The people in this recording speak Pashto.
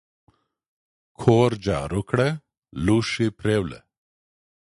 کور جارو کړه لوښي پریوله !